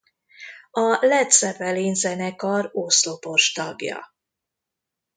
A Lead Zeppelin zenekar oszlopos tagja.